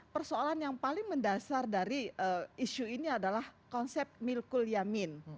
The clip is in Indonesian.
persoalan yang paling mendasar dari isu ini adalah konsep milkul yamin